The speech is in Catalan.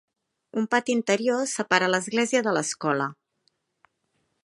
Un pati interior separa l'església de l'escola.